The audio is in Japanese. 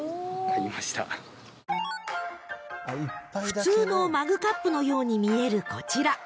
［普通のマグカップのように見えるこちら］